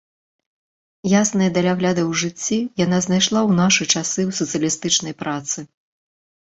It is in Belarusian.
Ясныя далягляды ў жыцці яна знайшла ў нашы часы ў сацыялістычнай працы.